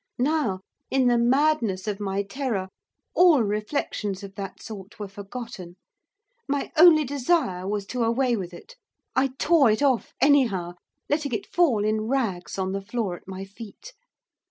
Now, in the madness of my terror, all reflections of that sort were forgotten. My only desire was to away with it. I tore it off anyhow, letting it fall in rags on the floor at my feet.